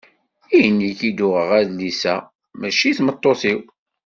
I nekk i d-uɣeɣ adlis-a, mačči i tmeṭṭut-iw.